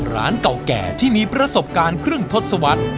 ร้านเก่าแก่ที่มีประสบการณ์เครื่องทดสวัสดิ์